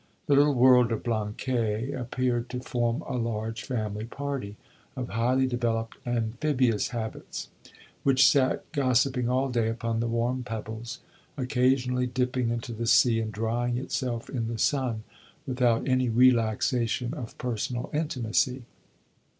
The little world of Blanquais appeared to form a large family party, of highly developed amphibious habits, which sat gossiping all day upon the warm pebbles, occasionally dipping into the sea and drying itself in the sun, without any relaxation of personal intimacy.